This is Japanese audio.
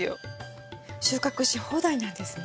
収穫し放題なんですね。